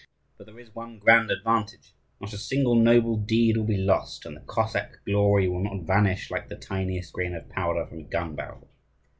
But there is one grand advantage: not a single noble deed will be lost, and the Cossack glory will not vanish like the tiniest grain of powder from a gun barrel.